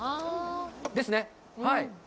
ですね、はい。